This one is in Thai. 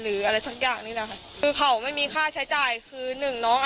หรืออะไรสักอย่างนี้แหละค่ะคือเขาไม่มีค่าใช้จ่ายคือหนึ่งน้องอ่ะ